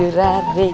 yuk kita pulang